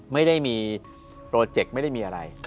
ไม่ได้มีโปรเจกต์ไม่ได้มีอะไร